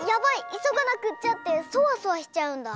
いそがなくっちゃ！」ってそわそわしちゃうんだ。